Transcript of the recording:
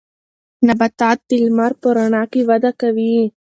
نباتات د لمر په رڼا کې وده کوي.